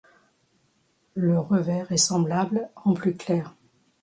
Le revers est semblable en plus clair.